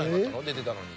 出てたのに。